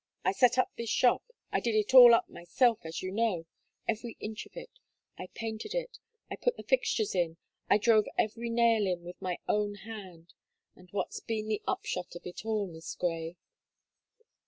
I set up this shop; I did it all up myself, as you know every inch of it; I painted it; I put the fixtures in; I drove every nail in with my own hand, and what's been the upshot of it all, Miss Gray?"